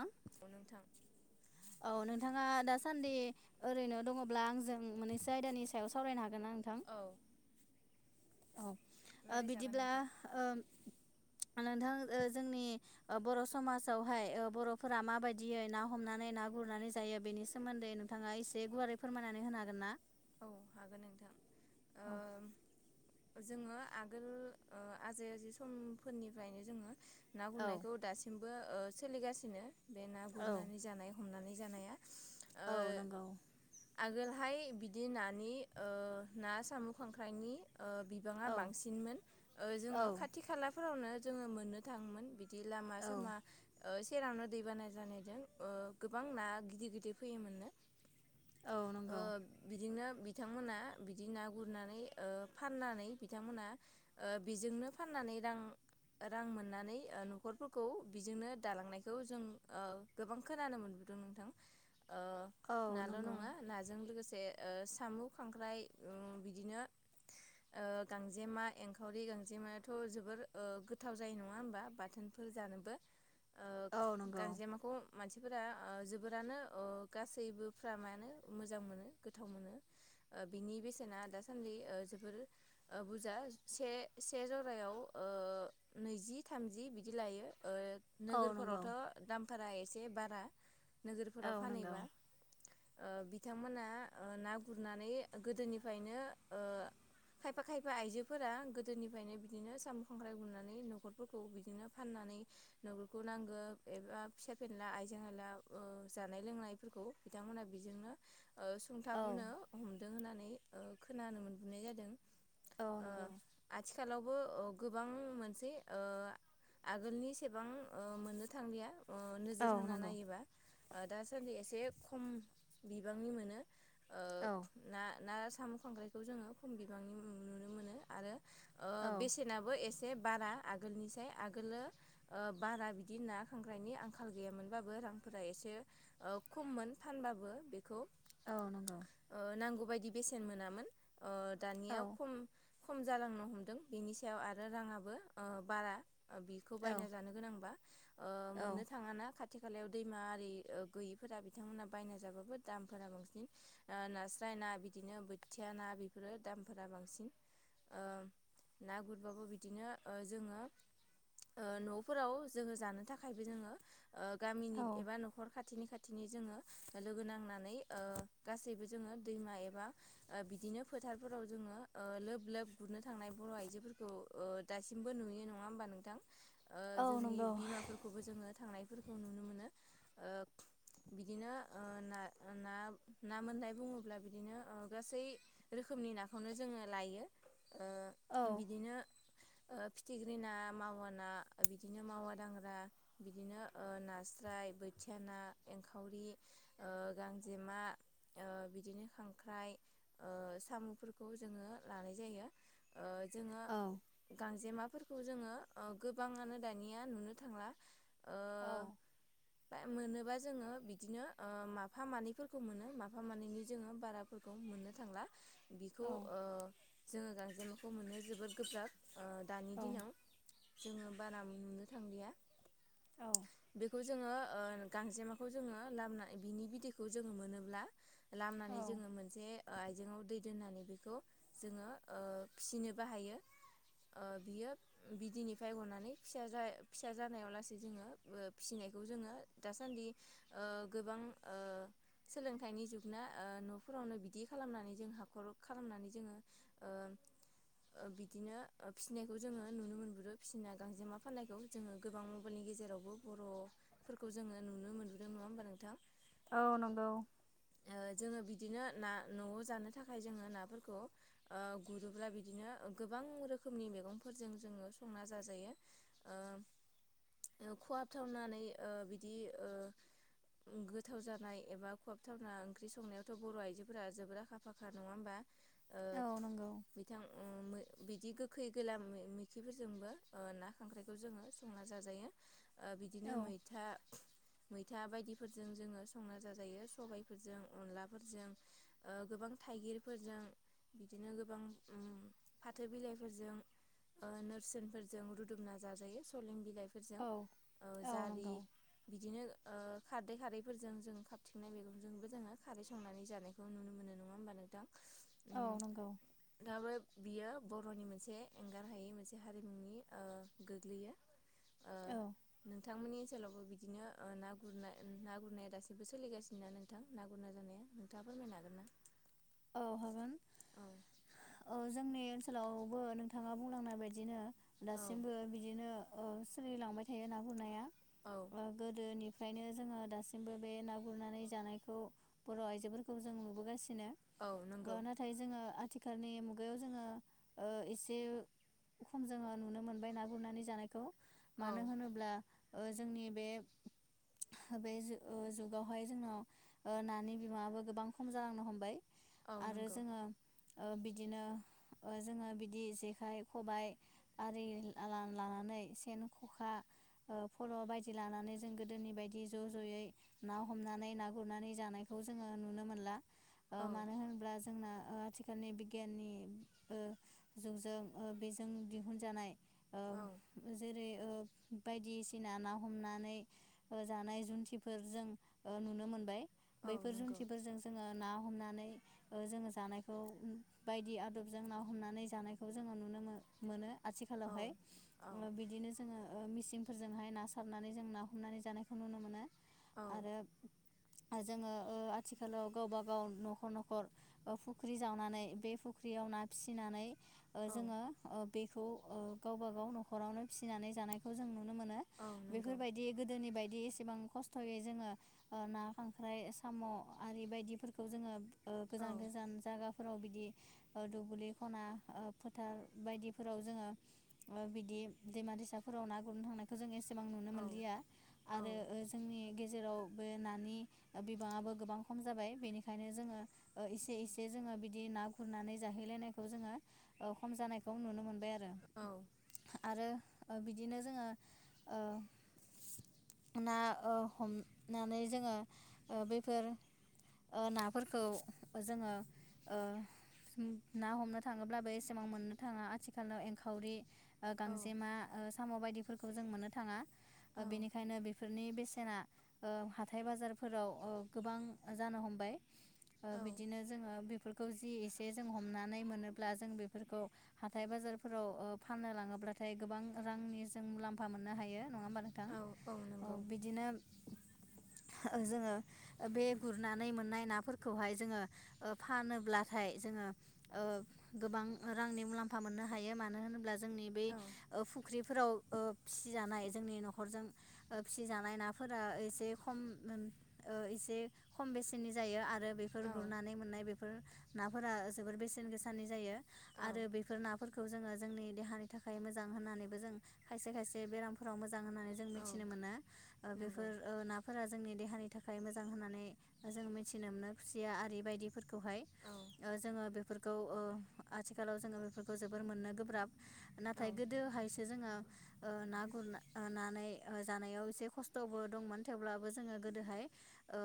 ओं, औ नोंथां औ नोंथाङा दासान्दि ओरैनो दङ'ब्ला आंजों मोननैसो आयदानि सायाव सावरायनो हागोन हागोना नोंथां? औ औ। ओ रायलायजागोन बिदिब्ला नोंथां ओ नोंथां ओ जोंनि ओ बर' समाजावहाय ओ बर'फोरा माबायदियै ना हमनानै ना गुरनानै जायो बेनि सोमोन्दै नोंथाङा एसे गुवारै फोरमायनानै होनो हागोन ना? औ हागोन नोंथां। ओ जोङो आगोल ओ आजै आजै समफोरनिफ्रायनो जोङो ना औ गुरनायखौ दासिम बो ओ सोलिगासिनो। बे ना औ गुरनानै जानाय हमनानै जानाया। ओ औ नंगौ। आगोलहाय बि दि नानि ना, साम', खांख्राइनि ओ बिबाङा औ बांसिनमोन। औ ओ ोङो खाथि खालाफोरावनो जोङो मोननो थाङोमोन। बि दि लामा औ सामा ओ सेरावनो दैबाना जानायजों ओ गोबां ना गिदिर गिदिर फैयोमोननो। औ ओ नंगौ। बिदिनो बिथांमोना बिदि ना गुरनानै ओ फाननानै बिथांमोना ओ बेजोंनो फाननानै दां रां मोननानै न'खरफोरखौ बेजोंनो दालांनायखौ जों नुनो ओ जों गोबां खोनानो मोनबोदों नोंथां। ओ औ नाल' नंगौ नङा नाजों लोगोसे ए ओ साम' खांख्राइ ओ बिदिनो ओ गांजेमा एंखावरि गांजेमायाथ' जोबोर ओ गोथाव जायो नङा होमबा बाथोनफोर जानोबो। ओ औ नंगौ। गांजेमाखौ मानसिफोरा ओ जोबोरानो ओ गासैबो फ्रामानो मोजां मोनो। गोथाव मोनो। बिनि बेसेना दासान्दि ओ जोबोर बुरजा से-से जरायाव ओ नैजि थामजि बिदि लायो। ओ औ नंगौ नोगोरफोरावथ' दाम फोरा एसे बारा। औ नोगोरफोराव नंगौ फानहैबा ओ बिथांमोना ओ ना गुरनानै गोदोनिफ्रायनो ओ खायफा खायफा आइजोफोरा गोदोनिफ्रायनो बिदिनो साम' खांख्राइ गुरनानै न'खरफोरखौ बिदिनो फाननानै न'खरखौ नांगौ एबा फिसा फेनला आइजें आयला जानाय लोंनायफोरखौ बिथांमोनहा बेजोंनो ओ औ सुंथाबुनो होम। दों होननानै ओ खोनानो मोनबोनाय जादों। औ नंगौ [unintelligible] आथिखालावबो ओ गोबां मोनसे ओ आगोलनि सेबां ओ मोननो थांलिया। ओ नोजोर औ होना नंगौ नायोबा। ओ दासान्दि एसे खम बिबांनि मोनो। ओ औ। ना ना साम' खांख्राइखौ जोङो खम बिबांनि नुनो मोनो आरो। ओ औ बेसेनाबो एस से बारा आगोलनिसाय आगोलो ओ बारा बिदि ना खांख्रायनि आंखाल गैयामोनबाबो रांफोरा एसे ओ खममोन फानबाबो बेखौ। औ नंगौ बायदि बेसेन मोनामोन। ओ दानिया औ खम खम जालांनो हमदों बेनि सायाव आरो राङाबो ओ बारा बिखौ बायना औ जानो गोनांबा। ओ औ मोननो थाङाना खा थि खालायाव दैमा आरि ओ गैयिफोरा बिथांमोनहा बायना जाबाबो दामफोरा बांसिन। ओ नास्राय ना बिदिनो बोथिया ना बेफोरो दामफोरा बांसिन ओ ना गुरबाबो बिदिनो ओ जोङो ओ नफोराव जोङो जानो थाखायबो जोङो ओ गामिनि औ एबा नखर खा खाथिनि-खाथिनि जोङो लोगो नांनानै ओ गासैबो जोङो दैमा एबा ओ बिदिनो फोथारफोराव जोङो ओ लोब-लोब गुरनो थांनाय बर' आइजोफोरखौ दासिमबो नुयो नङा होमबा नोंथां। ओ औ जोंनि नंगौ बिमाफोरखौबो जोङो थांनायफोरखौ नुनो मोनो ओ बिदिनो ओ ना-ना ना मोननाय बुङोब्ला बिदिनो ओ गासै रोखोमनि नाखौनो जोङो लायो। ओ औ बिदिनो। ओ फिथिख्रि ना मावा ना ओ बिदिनो मावा दांग्रा बिदिनो ओ नास्राय बोथिया ना एंखावरि ओ गांजेमा। ओ बिदिनो खांख्राइ ओ साम'फोरखौ जोङो लानाय जायो। ओ जोङो औ गांजेमा फोरखौ ओ जोङो गोबांङनो दानिया नुनो थांला ओ औ। [unintelligible] मोनोबा जोङो बिदिनो ओ माफा मानैफोरखौ मोनो। माफा मानैनि जोङो बाराफोरखौ मोननो थांला। बिखौ ओ जोङो गांजेमाखौ मोनो जोबोद गोब्राब। ओ दानि औ दिनाव। जोङो बारा नुनो थांलिया। औ बेखौ जोङो ओ गांजेमाखौ जोङो लामना बिनि बिदैखौ जोङो मोनोब्ला लामनानै औ जोङो मोनसे आइजेंयाव दै दोननानै बेखौ जोङो ओ फिसिनो बाहायो ओ बियो बिदिनिफ्राय हरनानै फिसा जा फिसा जानायाव लासै जोङो फिसिनायखौ जोङो दासान्दि ओ गोबां ओ सोलों थाइनि जोबना ओ न'फोरावनो बिदि खालामनानै जों हाखर खालामनानै जोङो ओ ओ बिदिनो ओ फिसिनायखौ जोङो नुनो मोनबोदों फिसिना गांजेमा फाननायखौ जोङो गोबां मबाइलनि गेजेरावबो बर'फोरखौ जोङो नुनो मोनबोदों नङा होमबा नोंथां? औ नंगौ। ओ जोङो बिदिनो ना न'आव जानो थाखाय जोङो नाफोरखौ ओ गुरोब्ला बिदिनो गोबां रोखोमनि मैगंफोरजों जोङो संना जाजायो ओ खवाबथावनानै ओ बिदि ओ गोथाव जानाय एबा खवाब थावना ओंख्रि संनायथ' बर' आइजोफोरा जोबोर आखा फा नङा होनबा? ओ औ नंगौ बिथां उमओ बिदि गोखै गोला मैखिफोरजोंबो ओ ना खांख्राइखौ जोङो संना जाजायो ओ बिदिनो औ मैथा मैथा बायदिफोरजों जोङो संना जाजायो। सबायफोरजों अनलाफोरजों ओ गोबां थाइगिरफोरजों बिदिनो गोबां फाथो बिलाइफोरजों ओ नोरसोनफोरजों रुदुमना जाजायो सलें बिलाइ फोरजों औ ओ औ जारि नंगौ बिदिनो ओ खारदै खारैफोरजों जों खाथि संनाय मैगंजोंबो जोङो खारै संनानै जानायखौ नुनो मोनो नङा होमबा नोंथां? औ ओम नंगौ दाब बियो बर'नि मोनसे एंगार हायै मोनसे हारिमुनि ओ गोग्लैयो। ओ औ नोंथांमोननि ओनसोलावबो बिदिनो ओ ना गुरनाय ना गुरनाया दासिबो सोलिगासिनो ना नोंथां ना गुरना जानाया नोंथाङा फोरमायनो हागोन ना? औ हागोन औ औ ओ जोंनि ओनसोलावबो नोंथाङा बुंलांनाय बायदिनो औ दासिमबो बिदिनो ओ सोलिलांबाय थायो ना गुरनाया। औ ओ गोदोनि फ्रायनो जोङो दासिमबो बे ना गुरनानै जानायखौ बर' आइजोफोरखौ जों नुबोगासिनो। औ ओ नंगौ नाथाय जोङो आ थिखालनि मुगायाव जोङो ओ एसे खम जोङो नुनो मोनबाय ना गुरनानै जानाय खौ औ मानो होनोब्ला ओ जोंनि बे बे जुगावहाय जोंनाव नानि बिबाङाबो गोबां खम जालांनो हमबाय। औ आरो नंगौ जोङो ओ बिदिनो ओ जोङो बिदि जेखाइ खबाय आरि ला-ला-लानानै सेन ख'खा ओ फल' बायदि लानानै जों गोदोनि बायदि ज' ज'यै ना हमनानै ना गुरनानै जानायखौ जोङो नुनो मोनला। ओ औ मानो होनब्ला जोंना ओ आथिखालनि बिगियाननि ओ जुगजों ओ बेजों दिहुनजानाय ओ औ जेरै ओ बायदिसिना ना हमनानै जानाय जुन्थिफोर जों नुनो मोनबाय। औ बैफोर नंगौ जुन्थिफोरजों जोङो ना हमनानै ओ जोङो जानायखौ बायदि आदबजों ना हमनानै जानायखौ जोङो नुनो मो-मोनो। औ आथिखालावहाय औ बिदिनो जोङो मिसिंफोरजोंहाय ना सारनानै जों ना हमनानै जानायखौ नुनो मोनो। औ आरो जोङो ओ आथिखालाव गावबा गाव नखर नखर फुख्रि जावनानै बे फुख्रियाव ना फिसिनानै ओ जोङो ओ बेखौ गावबा गाव नखरावनो फिसिनानै जानायखौ जों मोनो औ नंगौ बेफोरबायदि गोदोनि बायदि एसेबां खस्थयै जोङो ना खांख्राइ साम आरि बायदिफोरखौ। खौ जोङो ओ औ गोजान गोजान जागा। फोराव बिदि दुब्लि खना फोथार बायदिफोराव जोङो बिदि दैमा दैसाफोराव ना गुरनो थांनाय। एसेबां नुनो औ मोनलिया औ आरो जोंनि गेजेराव बे नानि बिबाङाबो गोबां खम जाबाय बेनिखायनो। ओंखायनो जोङो इसे एसे जोङो बिदि ना गुरनानै जाहैलायनायखौ जोङो खम जानायखौ नुनो मोनबाय आरो। आरो बिदिनो जोङो ओ ना हमनानै जोङो बेफोर ओ नाफोरखौ जोङो ओ ना हमनो थाङोब्लाबो एसेबां मोननो थाङा आथिखालाव एंखावरि औ गांजेमा साम बायदि फोरखौ जों मोननो थाङा। औ बेनिखायनो बेफोरनि बे सेना ओ हाथाय बाजारफोराव गोबां जानो हम बाय ओ बिदिनो जोङो बे खौ जि एसे जों हमनानै मोनोब्ला जों बेफोरखौ हाथाय बाजारफोराव फाननो लाङोब्लाथाय गोबां रांनि जों मुलाम्फा मोननो हायो। नङा होनबा? नोंथां औ बिदिनो जोङो बे गुरनाय मोननाय नाफोरखौहाय जोङो फानोब्लाथाय जोङो गोबां रांनि मुलाम्फा मोननो हायो मानो होनोबा। जोंनि बे औ औ फुख्रि फोराव फिसिजानाय जोंनि नखरजों फिसिजानाय नाफोरा एसे खम एसे खम बेसेनि जायो आरो आरो बेफोर गुरनानै मोननाय बेफोर नाफोरा जोबोर बेसेन गोसनि जायो। औ आरो बेफोर नाफोरखौ जोङो जोंनि देहानि थाखाय मोजां होन्नानैबो जों खायसे खायसे बेरामफोराव मोजां। जां होननानै जों औ मिथिनो मोनो, ओ नंगौ बे नाफोरा जोंनि देहानि नि थाखाय मोजां होननानै जों मिथिनो मोनो खुसिया आरि बायदिफोरखौ खौहाय औ जोङो बेफोर खौ आथिखालाव जोङो बेफोरखौ जोबोर मोननो गोब्राब औ नाथाय गोदोहायसो जोङो ना गुरना ननानै जानायाव एसे खस्थ'बो दंमोन थेवब्लाबो जोङो गोदोहाय ओ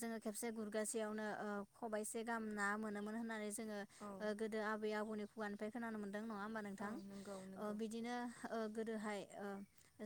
जोङो खेबसे गुरगासेयावनो ओ खबाइसे गाहाम ना मोनोमोन होननानै जों औ जोङो गोदो आबै आबौनि खुगानिफ्राय खोनानो मोनदों नङा होमबा औ नोंथां नंगौ नंगौ बिदिनो ओ गोदोहाय - ओ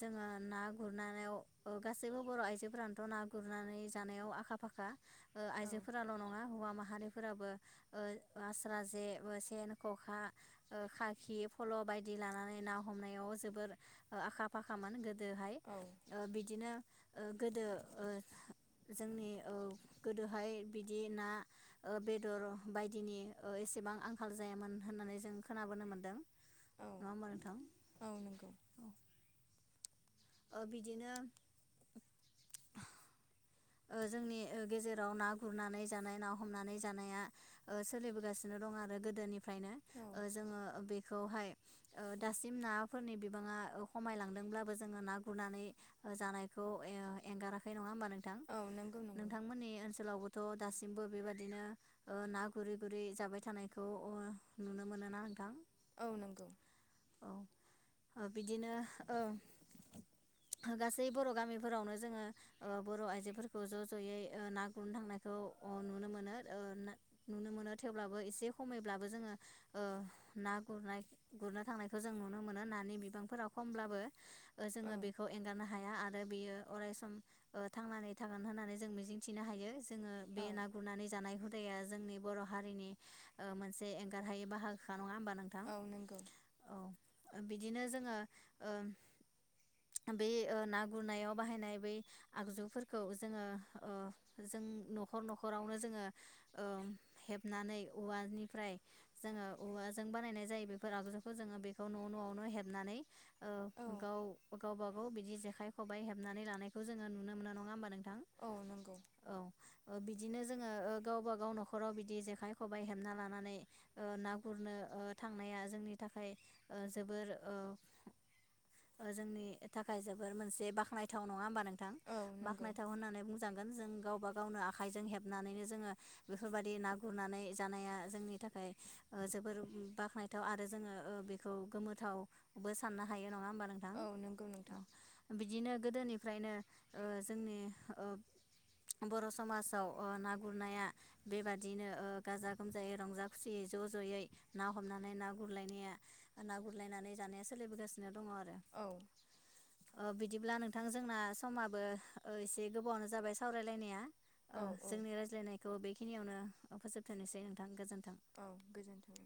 जोङो ना गुरनायाव गासैबो बर' आइजोफोरानोथ' ना गुरनानै जानायाव आखा फाखा। ओ औ आइजोफोराल' नङा हौवा माहारि फोराबो ओ आस्रा जे सेन खखा ओ खाखि फल' बायदि लानानै ना हमनायाव जोबोर आखा फाखामोन गो गोहाय औ बिदिनो ओ गोदो ओ जोंनि ओ गोदोहाय बिदि ना बेदर बायदिनि ओ एसेबां आंखाल जायामोन होननानै जों खोनाबोनो मोन्दों। औ नङा होनबा नोंथां औ नंगौ ओ ओ बिदिनो ओ जोंनि ओ गेजेराव ना गुरनानै जानाय ना हमनानै जानाया ओ सोलिबोगासिनो दं आरो गोदोनि मफ्रायनो औ ओ जोङो बेखौ खौहाय दासिम नाफोरनि बिबाङा खमायलांदोंब्लाबो जोङो ना गुरनानै जानायखौ ए-एंगाराखै नङा होमबा नोंथां? औ नंगौ नंगौ नोंथांमोननि ओनसोलावबो थ, दासिमबो बेबादिनो ना गुरै गुरै जाबाय थानायखौ अ नुनो मोनो ना नोंथां औ नंगौ अ बिदिनो ओ गासै बर' गामिफोरावनो जोङो ओ बर' आइजो खौ ज' ज'यै ओ ना गुरनो थांनायखौ अ नुनो मोनो नुनो मोनो थेवब्लाबो एसे खमैब्लाबो ओ जोङो ना गुरनाय गुरनो थांनायखौ जों नुनो मोनो नानि बिबांफोरा खमब्लाबो औ जोङो बेखौ एंगारनो हाया आरो आरो बियो अरायस थांनानै थागोन होननानै जों मिजिंथिनो हायो। जोङो बे औ ना गुरनानै जानाय जोंनि बर' हारिनि ओ मोनसे एंगार हायै बाहागोखा नङा हब नोंथां औ नंगौ औ बिदिनो जोङो ओ बे ओ ना गुरनायाव बाहायनाय बै आगजुफोर खौ जोङो ओ जों न'खर न'खरावनो जोङो ओ हेबनानै औवानिफ्राय जोङो औवाजों बानायनाय जायो बेफोर आगजुखौ जोङो बेखौ न' न'आवनो हेबनानै। औ ओ गाव गावबा बिदि जेखाइ खबाइ हेबनानै लानायखौ जोङो नुनो मोनो नङा मामबा नों औ नंगौ। बिदिनो जोङो गावबा गाव न'खराव बिदि जेखाइ खबाइ हेबना लानानै ना गुरनो थांनाया जोंनि थाखाय जोबोर जोंनि थाखाय जोबोर मोनसे बाख्नायथाव नङा होमबा नों- थां औ नंगौ बाखनायथाव होननानै बुंजांगोन जों गावबा गावनो आखाइजों हेबनानैनो जोङो बेफोरबायदि ना गुरनानै जानाया जोंनि थाखाय जोबोर बाख्नायथाव आरो जोङो बेखौ गोमोथावबो साननो हायो नङा- होनबा नोंथां औ नंगौ नोंथां बिदिनो गोदोनिफ्रायनो जोंनि बर' समाजाव ना गुरनाया बेबादिनो गाजा गोमजायै रंजा खुसियै ज' ज'यै ना हमनानै ना गुरलायनाया ना गुरलायनानै जानाया सोलिबोगासिनो दङ आरो [unintelligible] औ बिदिब्ला नोंथां जोंना समा- बो एसे गोबावआनो जाबाय सावरायलायनाया। औ औ जोंनि रायज्लायनायखौ बेखि- नियावनो फोजोबथोंसै नोंथां गोजोन्थों। औ गोजोन्थों